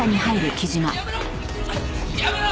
やめろ！